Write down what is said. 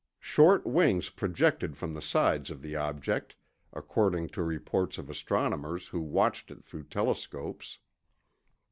Short wings projected from the sides of the object, according to reports of astronomers who watched it through telescopes.